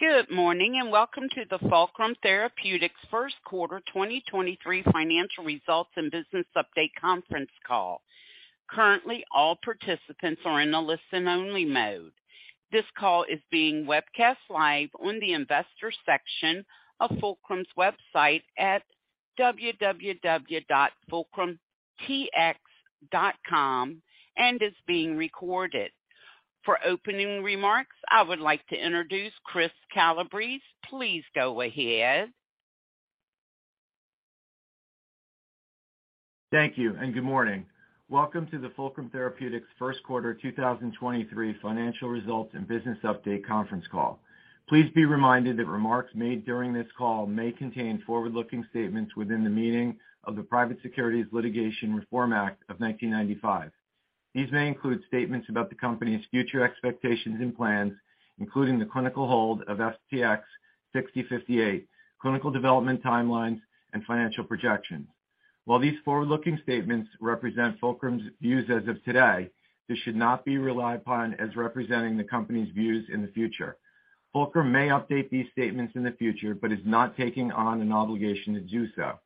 Good morning. Welcome to the Fulcrum Therapeutics First Quarter 2023 Financial Results and business update conference call. Currently, all participants are in a listen-only mode. This call is being webcast live on the Investors section of Fulcrum's website at www.fulcrumtx.com and is being recorded. For opening remarks, I would like to introduce Chris Calabrese. Please go ahead. Thank you, and good morning. Welcome to the Fulcrum Therapeutics First Quarter 2023 financial results and business update conference call. Please be reminded that remarks made during this call may contain forward-looking statements within the meaning of the Private Securities Litigation Reform Act of 1995. These may include statements about the company's future expectations and plans, including the clinical hold of FTX-6058, clinical development timelines, and financial projections. While these forward-looking statements represent Fulcrum's views as of today, this should not be relied upon as representing the company's views in the future. Fulcrum may update these statements in the future, but is not taking on an obligation to do so.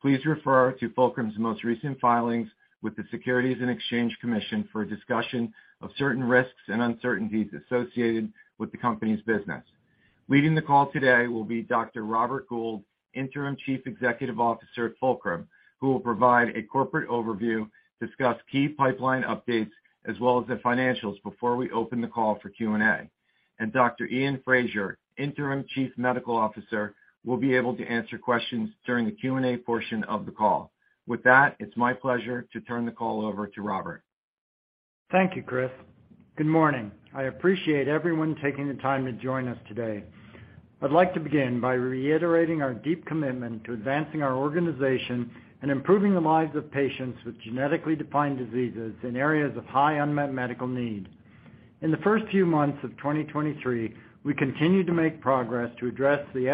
Please refer to Fulcrum's most recent filings with the Securities and Exchange Commission for a discussion of certain risks and uncertainties associated with the company's business. Leading the call today will be Dr. Robert Gould, Interim Chief Executive Officer at Fulcrum, who will provide a corporate overview, discuss key pipeline updates, as well as the financials before we open the call for Q&A. Dr. Iain Fraser, Interim Chief Medical Officer, will be able to answer questions during the Q&A portion of the call. With that, it's my pleasure to turn the call over to Robert. Thank you, Chris. Good morning. I appreciate everyone taking the time to join us today. I'd like to begin by reiterating our deep commitment to advancing our organization and improving the lives of patients with genetically defined diseases in areas of high unmet medical need. In the first few months of 2023, we continued to make progress to address the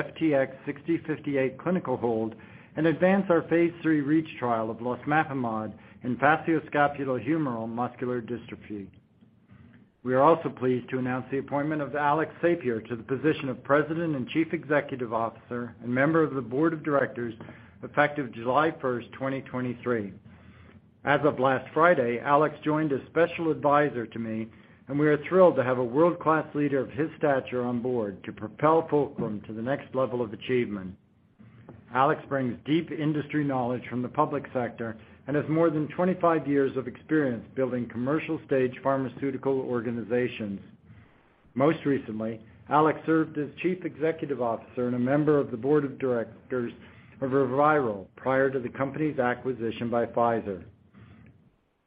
FTX-6058 clinical hold and advance our Phase 3 REACH trial of losmapimod in facioscapulohumeral muscular dystrophy. We are also pleased to announce the appointment of Alex Sapir to the position of President and Chief Executive Officer and member of the Board of Directors effective July 1, 2023. As of last Friday, Alex joined as special advisor to me, and we are thrilled to have a world-class leader of his stature on board to propel Fulcrum to the next level of achievement. Alex brings deep industry knowledge from the public sector and has more than 25 years of experience building commercial-stage pharmaceutical organizations. Most recently, Alex served as Chief Executive Officer and a member of the Board of Directors of ReViral prior to the company's acquisition by Pfizer.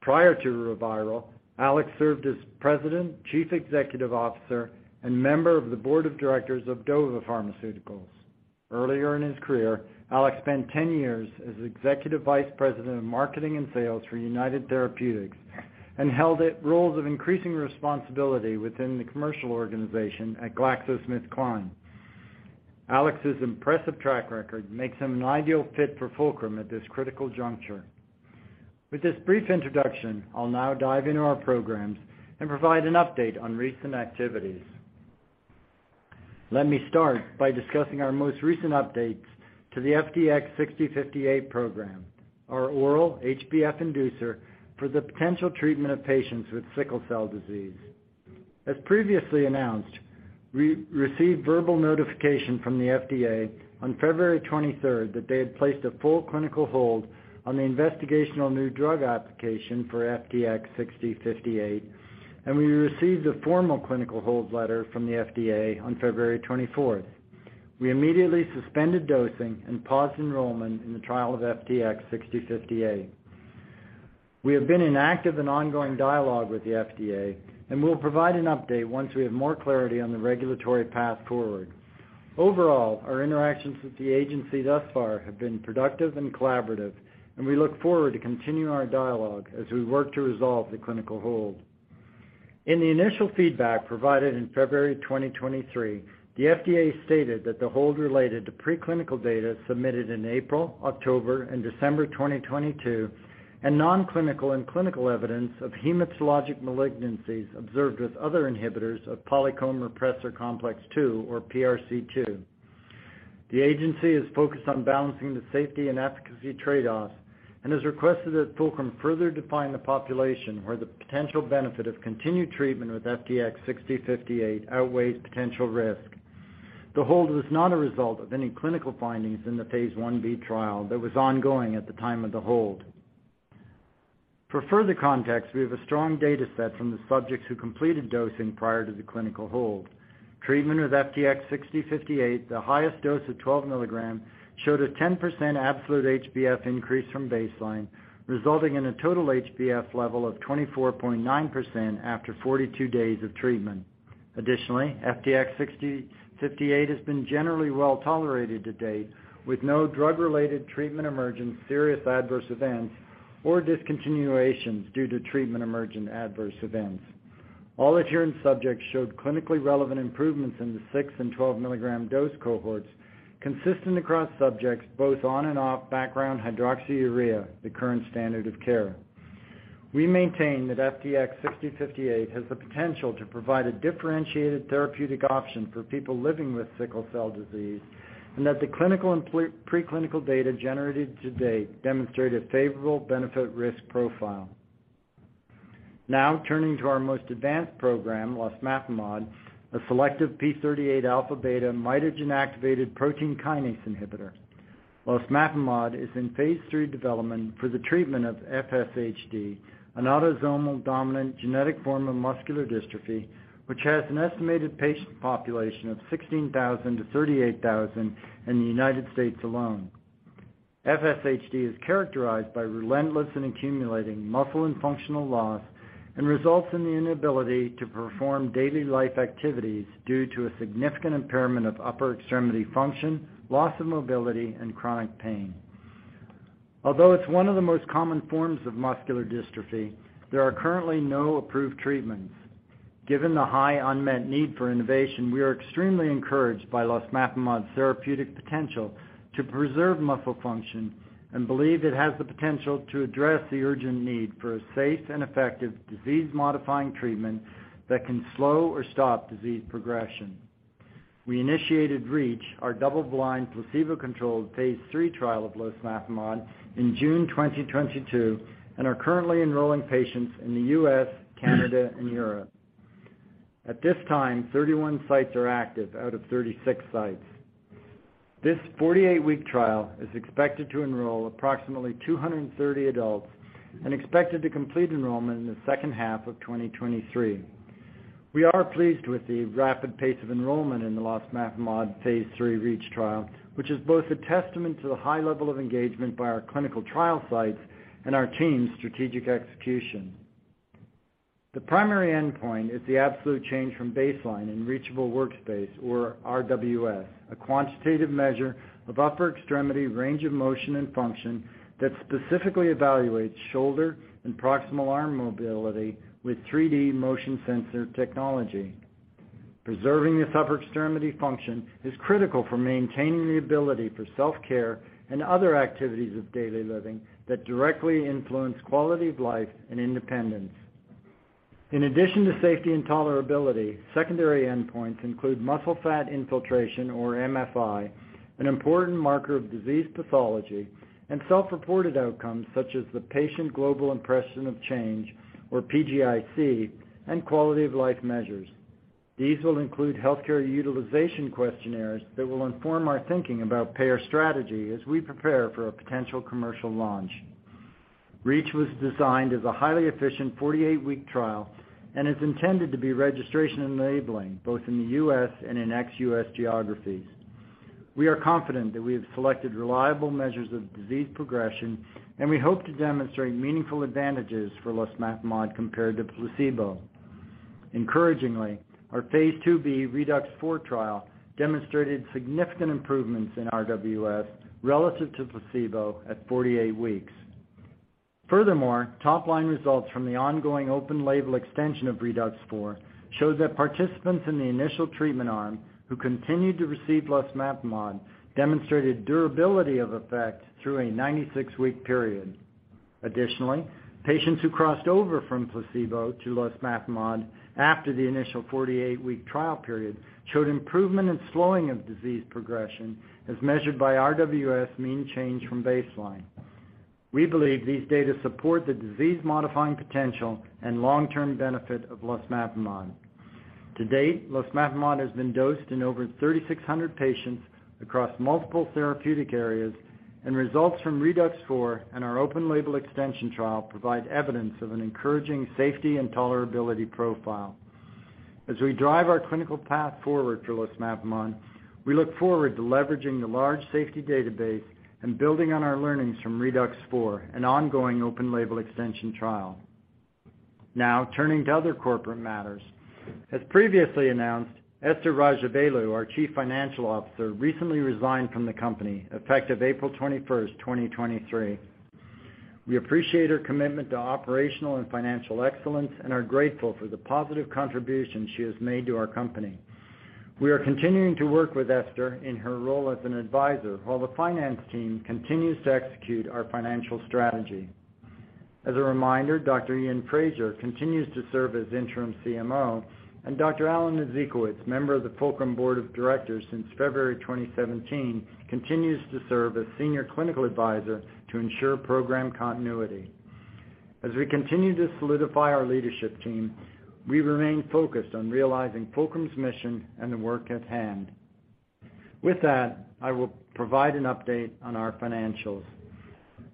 Prior to ReViral, Alex served as President, Chief Executive Officer, and member of the Board of Directors of Dova Pharmaceuticals. Earlier in his career, Alex spent 10 years as Executive Vice President of Marketing and Sales for United Therapeutics and held roles of increasing responsibility within the commercial organization at GlaxoSmithKline. Alex's impressive track record makes him an ideal fit for Fulcrum at this critical juncture. With this brief introduction, I'll now dive into our programs and provide an update on recent activities. Let me start by discussing our most recent updates to the FTX-6058 program, our oral HbF inducer for the potential treatment of patients with sickle cell disease. As previously announced, we received verbal notification from the FDA on February 23rd that they had placed a full clinical hold on the investigational new drug application for FTX-6058, and we received a formal clinical hold letter from the FDA on February 24th. We immediately suspended dosing and paused enrollment in the trial of FTX-6058. We have been in active and ongoing dialogue with the FDA, and we'll provide an update once we have more clarity on the regulatory path forward. Overall, our interactions with the agency thus far have been productive and collaborative, and we look forward to continuing our dialogue as we work to resolve the clinical hold. In the initial feedback provided in February 2023, the FDA stated that the hold related to preclinical data submitted in April, October, and December 2022 and nonclinical and clinical evidence of hematologic malignancies observed with other inhibitors of Polycomb repressive complex 2 or PRC2. The agency is focused on balancing the safety and efficacy trade-offs and has requested that Fulcrum further define the population where the potential benefit of continued treatment with FTX-6058 outweighs potential risk. The hold was not a result of any clinical findings in the Phase 1B trial that was ongoing at the time of the hold. For further context, we have a strong data set from the subjects who completed dosing prior to the clinical hold. Treatment with FTX-6058, the highest dose of 12 mg, showed a 10% absolute HbF increase from baseline, resulting in a total HbF level of 24.9% after 42 days of treatment. Additionally, FTX-6058 has been generally well-tolerated to date with no drug-related treatment emergent serious adverse events or discontinuations due to treatment emergent adverse events. All adherent subjects showed clinically relevant improvements in the six and 12 mg dose cohorts consistent across subjects both on and off background hydroxyurea, the current standard of care. We maintain that FTX-6058 has the potential to provide a differentiated therapeutic option for people living with sickle cell disease, and that the clinical and pre-clinical data generated to date demonstrate a favorable benefit risk profile. Now turning to our most advanced program, losmapimod, a selective p38 alpha/beta mitogen-activated protein kinase inhibitor. Losmapimod is in Phase 3 development for the treatment of FSHD, an autosomal dominant genetic form of muscular dystrophy, which has an estimated patient population of 16,000-38,000 in the United States alone. FSHD is characterized by relentless and accumulating muscle and functional loss and results in the inability to perform daily life activities due to a significant impairment of upper extremity function, loss of mobility, and chronic pain. Although it's one of the most common forms of muscular dystrophy, there are currently no approved treatments. Given the high unmet need for innovation, we are extremely encouraged by losmapimod's therapeutic potential to preserve muscle function and believe it has the potential to address the urgent need for a safe and effective disease-modifying treatment that can slow or stop disease progression. We initiated REACH, our double-blind, placebo-controlled Phase 3 trial of losmapimod in June 2022 and are currently enrolling patients in the U.S., Canada, and Europe. At this time, 31 sites are active out of 36 sites. This 48-week trial is expected to enroll approximately 230 adults and expected to complete enrollment in the second half of 2023. We are pleased with the rapid pace of enrollment in the losmapimod Phase 3 REACH trial, which is both a testament to the high level of engagement by our clinical trial sites and our team's strategic execution. The primary endpoint is the absolute change from baseline in Reachable Workspace, or RWS, a quantitative measure of upper extremity range of motion and function that specifically evaluates shoulder and proximal arm mobility with 3D motion sensor technology. Preserving this upper extremity function is critical for maintaining the ability for self-care and other activities of daily living that directly influence quality of life and independence. In addition to safety and tolerability, secondary endpoints include muscle fat infiltration, or MFI, an important marker of disease pathology, and self-reported outcomes such as the Patient Global Impression of Change, or PGIC, and quality-of-life measures. These will include healthcare utilization questionnaires that will inform our thinking about payer strategy as we prepare for a potential commercial launch. REACH was designed as a highly efficient 48-week trial and is intended to be registration-enabling both in the U.S. and in ex-U.S. geographies. We are confident that we have selected reliable measures of disease progression, and we hope to demonstrate meaningful advantages for losmapimod compared to placebo. Encouragingly, our Phase 2b ReDUX4 trial demonstrated significant improvements in RWS relative to placebo at 48 weeks. Furthermore, top-line results from the ongoing open label extension of ReDUX4 shows that participants in the initial treatment arm who continued to receive losmapimod demonstrated durability of effect through a 96-week period. Additionally, patients who crossed over from placebo to losmapimod after the initial 48-week trial period showed improvement in slowing of disease progression as measured by RWS mean change from baseline. We believe these data support the disease-modifying potential and long-term benefit of losmapimod. To date, losmapimod has been dosed in over 3,600 patients across multiple therapeutic areas, and results from ReDUX4 and our open label extension trial provide evidence of an encouraging safety and tolerability profile. As we drive our clinical path forward for losmapimod, we look forward to leveraging the large safety database and building on our learnings from ReDUX4, an ongoing open label extension trial. Turning to other corporate matters. As previously announced, Esther Rajavelu, our Chief Financial Officer, recently resigned from the company, effective April 21st, 2023. We appreciate her commitment to operational and financial excellence and are grateful for the positive contribution she has made to our company. We are continuing to work with Esther in her role as an advisor while the finance team continues to execute our financial strategy. As a reminder, Dr. Iain Fraser continues to serve as interim CMO, and Dr. Alan Ezekowitz, member of the Fulcrum Board of Directors since February 2017, continues to serve as senior clinical advisor to ensure program continuity. As we continue to solidify our leadership team, we remain focused on realizing Fulcrum's mission and the work at hand. With that, I will provide an update on our financials.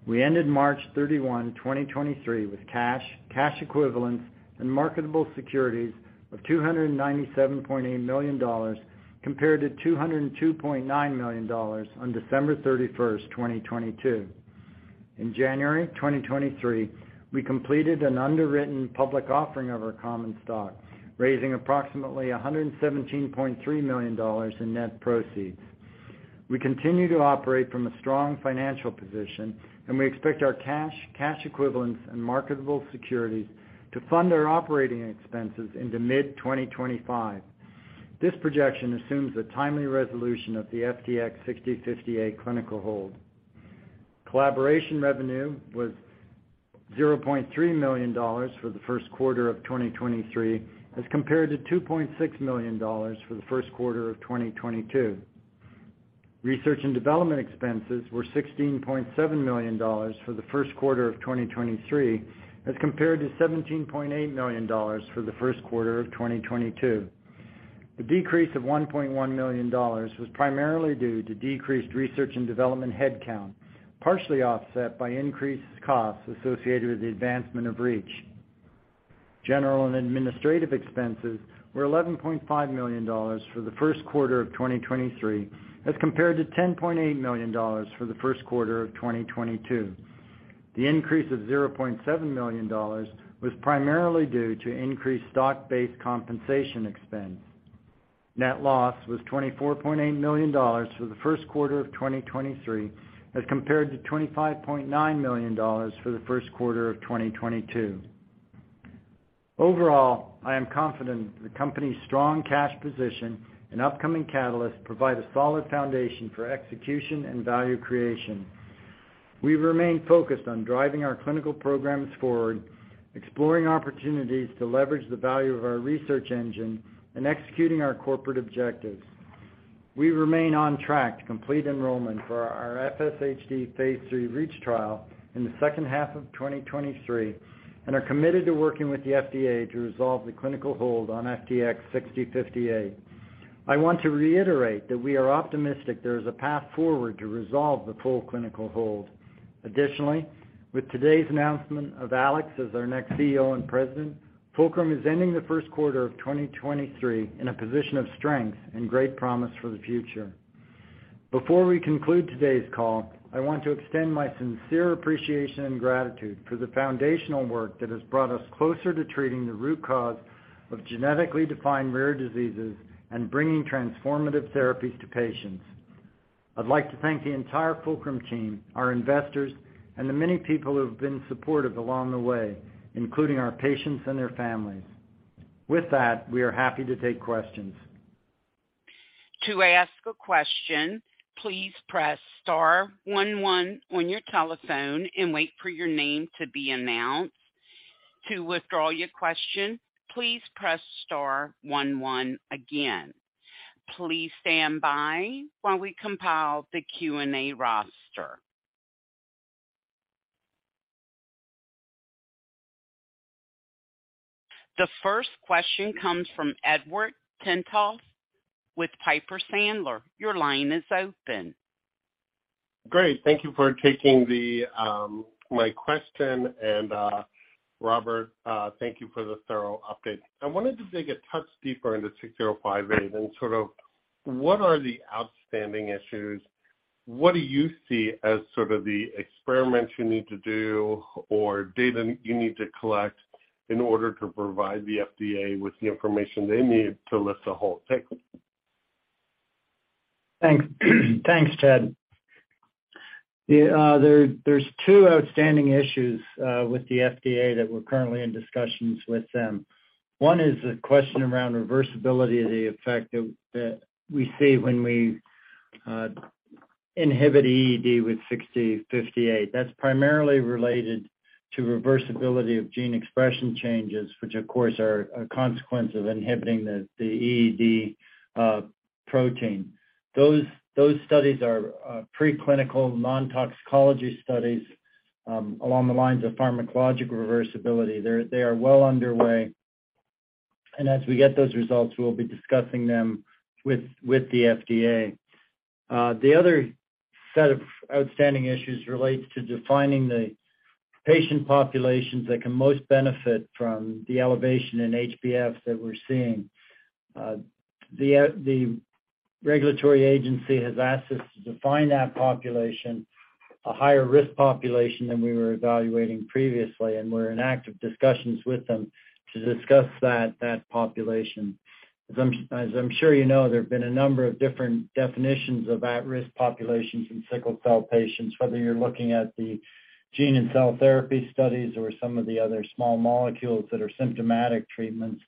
We ended March 31, 2023, with cash equivalents, and marketable securities of $297.8 million compared to $202.9 million on December 31, 2022. In January 2023, we completed an underwritten public offering of our common stock, raising approximately $117.3 million in net proceeds. We continue to operate from a strong financial position. We expect our cash equivalents, and marketable securities to fund our operating expenses into mid-2025. This projection assumes a timely resolution of the FTX-6058 clinical hold. Collaboration revenue was $0.3 million for the first quarter of 2023, as compared to $2.6 million for the first quarter of 2022. Research and development expenses were $16.7 million for the first quarter of 2023, as compared to $17.8 million for the first quarter of 2022. The decrease of $1.1 million was primarily due to decreased research and development headcount, partially offset by increased costs associated with the advancement of REACH. General and administrative expenses were $11.5 million for the first quarter of 2023, as compared to $10.8 million for the first quarter of 2022. The increase of $0.7 million was primarily due to increased stock-based compensation expense. Net loss was $24.8 million for the first quarter of 2023, as compared to $25.9 million for the first quarter of 2022. Overall, I am confident that the company's strong cash position and upcoming catalysts provide a solid foundation for execution and value creation. We remain focused on driving our clinical programs forward, exploring opportunities to leverage the value of our research engine, and executing our corporate objectives. We remain on track to complete enrollment for our FSHD Phase 3 REACH trial in the second half of 2023 and are committed to working with the FDA to resolve the clinical hold on FTX-6058. I want to reiterate that we are optimistic there is a path forward to resolve the full clinical hold. With today's announcement of Alex as our next CEO and President, Fulcrum is ending the first quarter of 2023 in a position of strength and great promise for the future. Before we conclude today's call, I want to extend my sincere appreciation and gratitude for the foundational work that has brought us closer to treating the root cause of genetically defined rare diseases and bringing transformative therapies to patients. I'd like to thank the entire Fulcrum team, our investors, and the many people who have been supportive along the way, including our patients and their families. With that, we are happy to take questions. To ask a question, please press star one one on your telephone and wait for your name to be announced. To withdraw your question, please press star one one again. Please stand by while we compile the Q&A roster. The first question comes from Edward Tenthoff with Piper Sandler. Your line is open. Great. Thank you for taking the my question. And, Robert, thank you for the thorough update. I wanted to dig a touch deeper into FTX-6058 and sort of what are the outstanding issues? What do you see as sort of the experiments you need to do or data you need to collect in order to provide the FDA with the information they need to lift the hold? Thanks, Ed. There's two outstanding issues with the FDA that we're currently in discussions with them. One is the question around reversibility of the effect that we see when we inhibit EED with FTX-6058. That's primarily related to reversibility of gene expression changes, which of course are a consequence of inhibiting the EED protein. Those studies are preclinical non-toxicology studies along the lines of pharmacologic reversibility. They are well underway. As we get those results, we'll be discussing them with the FDA. The other set of outstanding issues relates to defining the patient populations that can most benefit from the elevation in HbF that we're seeing. The regulatory agency has asked us to define that population, a higher risk population than we were evaluating previously. We're in active discussions with them to discuss that population. As I'm sure you know, there have been a number of different definitions of at-risk populations in sickle cell patients, whether you're looking at the gene and cell therapy studies or some of the other small molecules that are symptomatic treatments.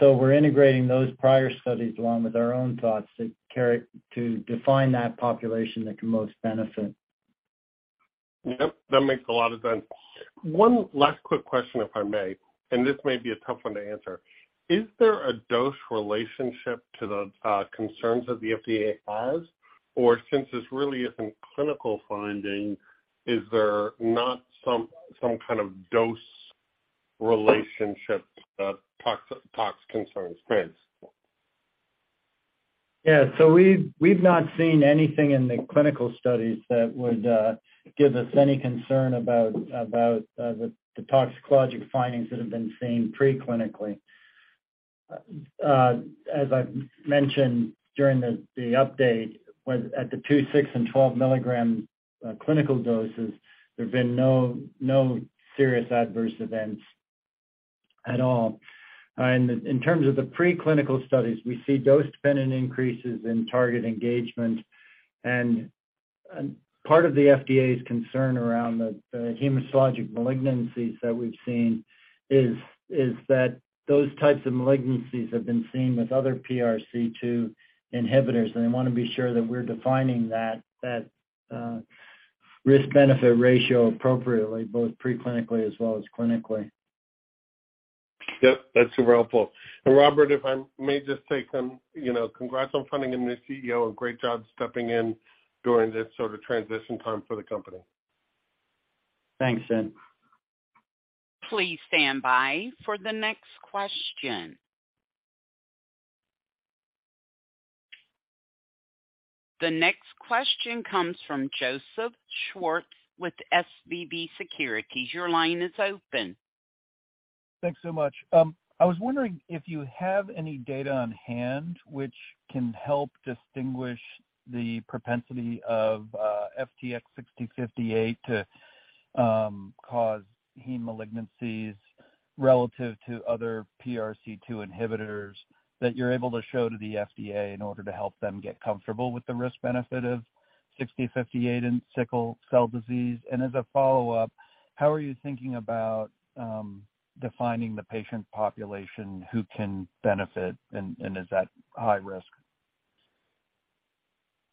We're integrating those prior studies along with our own thoughts to define that population that can most benefit. Yep, that makes a lot of sense. One last quick question, if I may. This may be a tough one to answer. Is there a dose relationship to the concerns that the FDA has? Since this really is in clinical finding, is there not some kind of dose relationship, tox concerns raised? We've not seen anything in the clinical studies that would give us any concern about the toxicologic findings that have been seen preclinically. As I mentioned during the update when at the two, six, and 12 mg clinical doses, there have been no serious adverse events at all. In terms of the preclinical studies, we see dose-dependent increases in target engagement. Part of the FDA's concern around the hematologic malignancies that we've seen is that those types of malignancies have been seen with other PRC2 inhibitors. They wanna be sure that we're defining that risk-benefit ratio appropriately, both pre-clinically as well as clinically. Yep, that's super helpful. Robert, if I may just take. You know, congrats on finding a new CEO. A great job stepping in during this sort of transition time for the company. Thanks, Ed. Please stand by for the next question. The next question comes from Joseph Schwartz with SVB Securities. Your line is open. Thanks so much. I was wondering if you have any data on hand which can help distinguish the propensity of FTX-6058 to cause hematologic malignancies relative to other PRC2 inhibitors that you're able to show to the FDA in order to help them get comfortable with the risk benefit of FTX-6058 in sickle cell disease. As a follow-up, how are you thinking about defining the patient population who can benefit and is at high risk?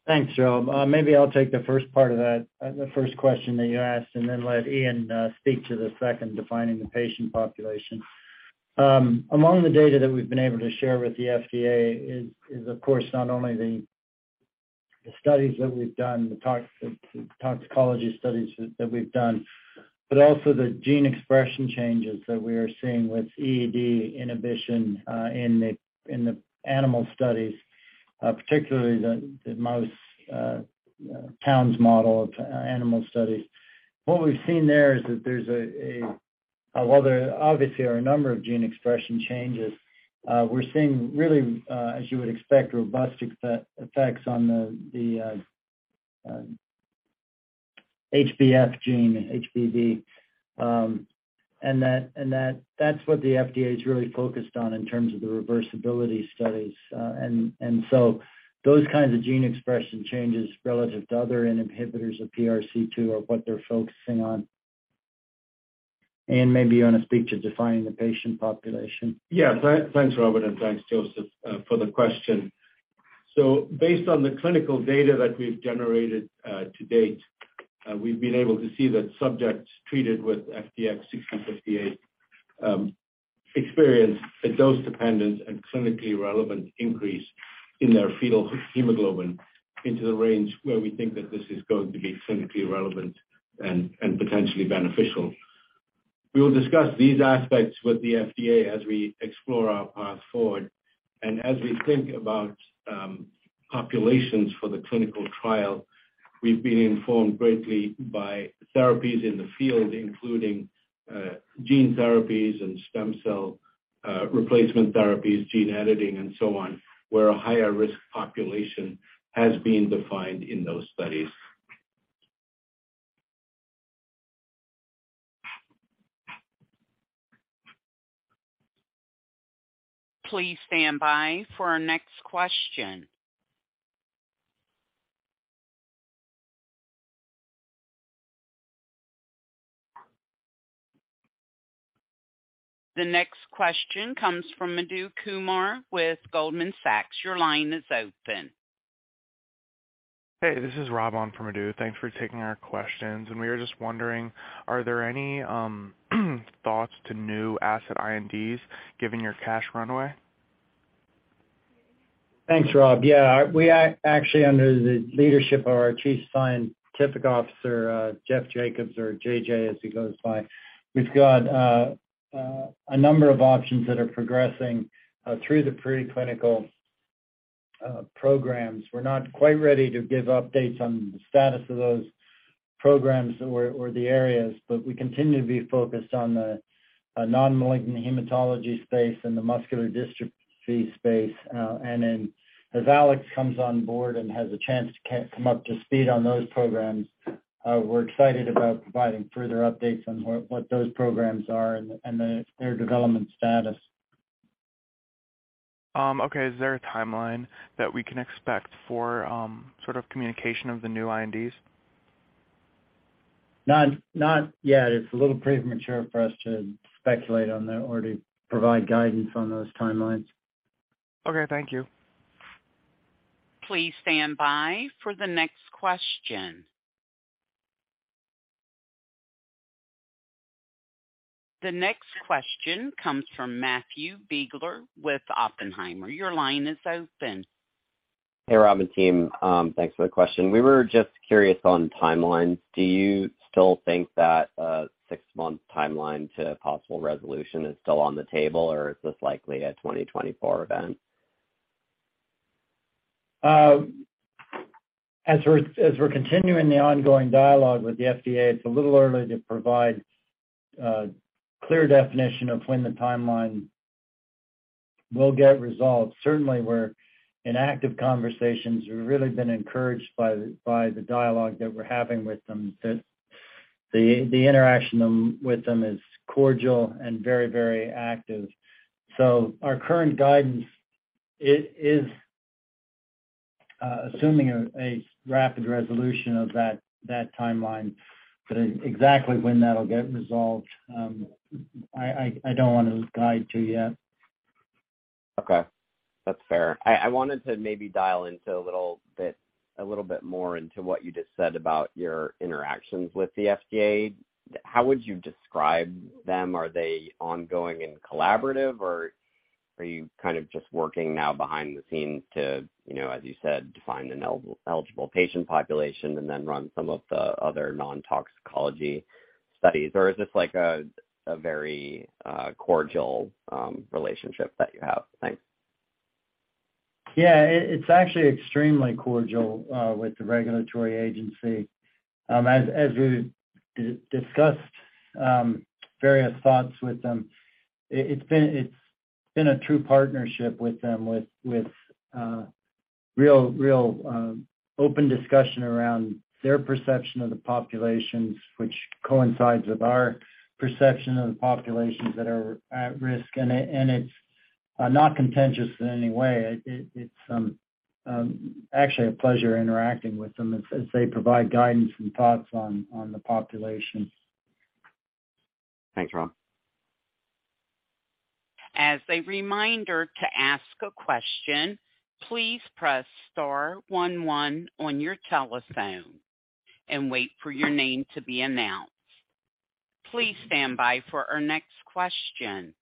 Thanks, Joe. Maybe I'll take the first part of that, the first question that you asked, and then let Ian speak to the second, defining the patient population. Among the data that we've been able to share with the FDA is of course, not only the studies that we've done, the toxicology studies that we've done, but also the gene expression changes that we are seeing with EED inhibition, in the animal studies, particularly the mouse, Townes model of animal studies. What we've seen there is that While there obviously are a number of gene expression changes, we're seeing really, as you would expect, robust effects on the HbF gene, HBB. That's what the FDA is really focused on in terms of the reversibility studies. So those kinds of gene expression changes relative to other inhibitors of PRC2 are what they're focusing on. Iain, maybe you wanna speak to defining the patient population. Thanks, Robert, and thanks, Joseph, for the question. Based on the clinical data that we've generated to date, we've been able to see that subjects treated with FTX-6058 experience a dose-dependent and clinically relevant increase in their fetal hemoglobin into the range where we think that this is going to be clinically relevant and potentially beneficial. We will discuss these aspects with the FDA as we explore our path forward. As we think about populations for the clinical trial, we've been informed greatly by therapies in the field, including gene therapies and stem cell replacement therapies, gene editing and so on, where a higher risk population has been defined in those studies. Please stand by for our next question. The next question comes from Madhu Kumar with Goldman Sachs. Your line is open. Hey, this is Rob on for Madhu. Thanks for taking our questions. We were just wondering, are there any thoughts to new asset INDs given your cash runway? Thanks, Rob. Yeah, we actually under the leadership of our Chief Scientific Officer, Jeff Jacobs or J.J. as he goes by, we've got a number of options that are progressing through the preclinical programs. We're not quite ready to give updates on the status of those programs or the areas, but we continue to be focused on the non-malignant hematology space and the muscular dystrophy space. As Alex comes on board and has a chance to come up to speed on those programs, we're excited about providing further updates on what those programs are and their development status. Okay. Is there a timeline that we can expect for sort of communication of the new INDs? Not yet. It's a little premature for us to speculate on that or to provide guidance on those timelines. Okay, thank you. Please stand by for the next question. The next question comes from Matthew Biegler with Oppenheimer. Your line is open. Hey, Rob and team. thanks for the question. We were just curious on timelines. Do you still think that a six-month timeline to possible resolution is still on the table, or is this likely a 2024 event? As we're continuing the ongoing dialogue with the FDA, it's a little early to provide a clear definition of when the timeline will get resolved. Certainly, we're in active conversations. We've really been encouraged by the dialogue that we're having with them. The interaction with them is cordial and very active. Our current guidance is assuming a rapid resolution of that timeline. Exactly when that'll get resolved, I don't wanna guide to yet. That's fair. I wanted to maybe dial into a little bit more into what you just said about your interactions with the FDA? How would you describe them? Are they ongoing and collaborative, or are you kind of just working now behind the scenes to, you know, as you said, define an eligible patient population and then run some of the other non-toxicology studies? Is this like a very cordial relationship that you have? Thanks. Yeah. It's actually extremely cordial with the regulatory agency. As we've discussed various thoughts with them, it's been a true partnership with them with real open discussion around their perception of the populations, which coincides with our perception of the populations that are at risk. It's not contentious in any way. It's actually a pleasure interacting with them as they provide guidance and thoughts on the population. Thanks, Rob. As a reminder, to ask a question, please press star one one on your telephone and wait for your name to be announced. Please stand by for our next question.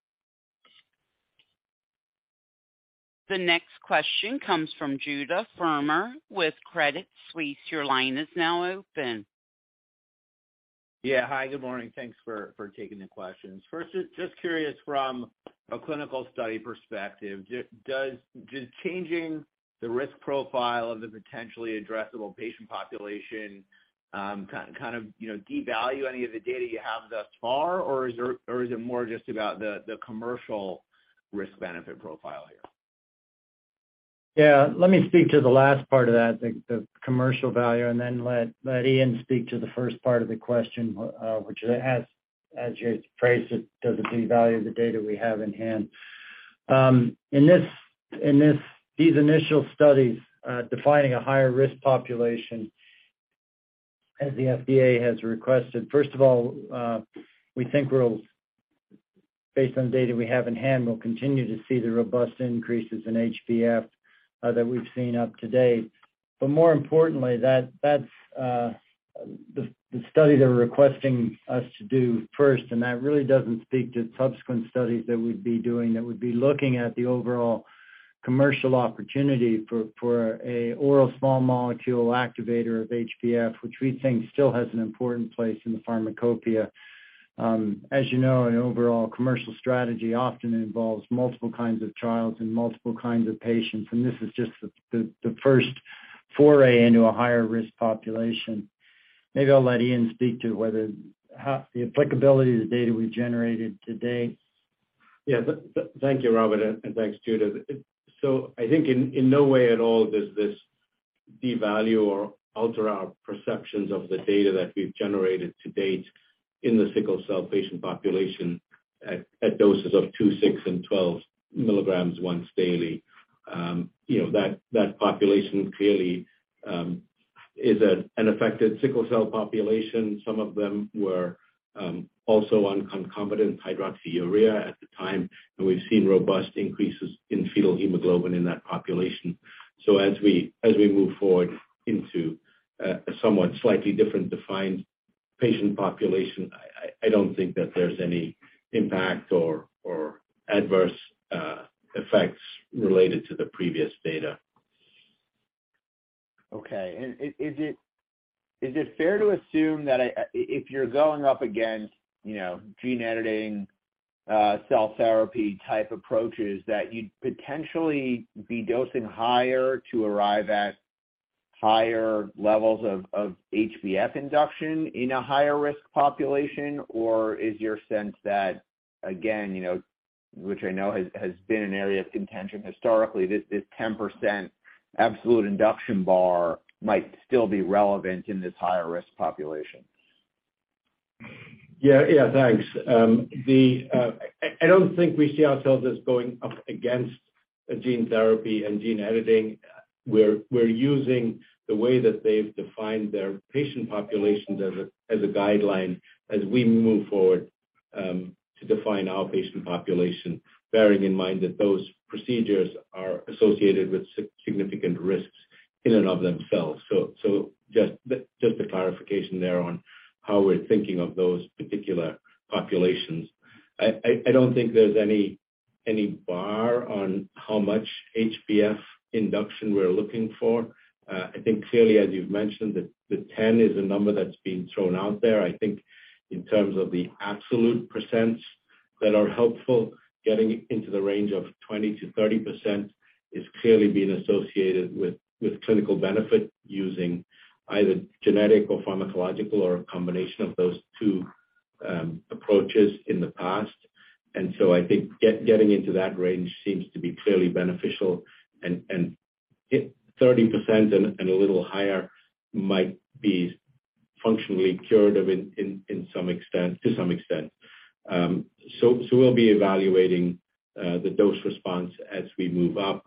The next question comes from Judah Frommer with Credit Suisse. Your line is now open. Yeah. Hi, good morning. Thanks for taking the questions. First, just curious from a clinical study perspective, does changing the risk profile of the potentially addressable patient population, kind of, you know, devalue any of the data you have thus far, or is it more just about the commercial risk-benefit profile here? Yeah. Let me speak to the last part of that, the commercial value, then let Iain speak to the first part of the question, which is, as you phrased it, does it devalue the data we have in hand? In these initial studies, defining a higher-risk population as the FDA has requested, first of all, we think we'll, based on data we have in hand, we'll continue to see the robust increases in HbF that we've seen up to date. More importantly, that's the study they're requesting us to do first, and that really doesn't speak to subsequent studies that we'd be doing, that would be looking at the overall commercial opportunity for a oral small molecule activator of HbF, which we think still has an important place in the pharmacopoeia. As you know, an overall commercial strategy often involves multiple kinds of trials and multiple kinds of patients, and this is just the first foray into a higher-risk population. Maybe I'll let Iain speak to how the applicability of the data we've generated to date. Thank you, Robert, and thanks, Judah. I think in no way at all does this devalue or alter our perceptions of the data that we've generated to date in the sickle cell patient population at doses of two, six, and 12 mg once daily. You know, that population clearly is an affected sickle cell population. Some of them were also on concomitant hydroxyurea at the time, and we've seen robust increases in fetal hemoglobin in that population. As we move forward into a somewhat slightly different defined patient population, I don't think that there's any impact or adverse effects related to the previous data. Okay. Is it fair to assume that if you're going up against, you know, gene editing, cell therapy type approaches, that you'd potentially be dosing higher to arrive at higher levels of HbF induction in a higher-risk population? Is your sense that, again, you know, which I know has been an area of contention historically, this 10% absolute induction bar might still be relevant in this higher-risk population? Yeah. Yeah. Thanks. I don't think we see ourselves as going up against a gene therapy and gene editing. We're using the way that they've defined their patient populations as a guideline as we move forward, to define our patient population, bearing in mind that those procedures are associated with significant risks in and of themselves. Just the clarification there on how we're thinking of those particular populations. I don't think there's any bar on how much HbF induction we're looking for. I think clearly, as you've mentioned, the 10 is a number that's been thrown out there. I think in terms of the absolute % that are helpful, getting into the range of 20%-30% is clearly being associated with clinical benefit using either genetic or pharmacological or a combination of those two approaches in the past. I think getting into that range seems to be clearly beneficial. 30% and a little higher might be functionally curative in some extent, to some extent. We'll be evaluating the dose response as we move up,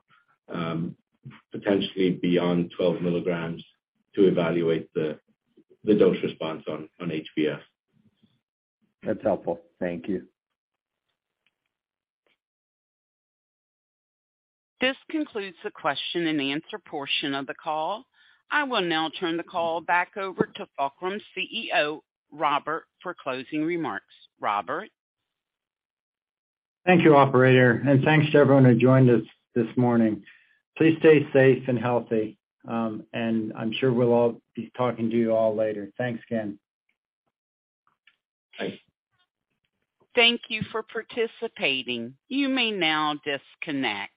potentially beyond 12 mg to evaluate the dose response on HbF. That's helpful. Thank you. This concludes the question and answer portion of the call. I will now turn the call back over to Fulcrum's CEO, Robert, for closing remarks. Robert? Thank you, operator, and thanks to everyone who joined us this morning. Please stay safe and healthy. I'm sure we'll all be talking to you all later. Thanks again. Thanks. Thank you for participating. You may now disconnect.